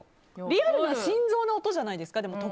リアルな心臓の音じゃないですか？